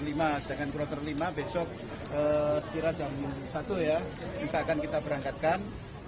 nah dengan kloter lima besok sekitar jam satu ya kita akan kita berangkatkan